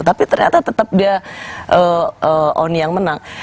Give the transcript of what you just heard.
tapi ternyata tetap dia on yang menang